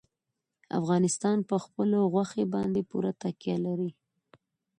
افغانستان په خپلو غوښې باندې پوره تکیه لري.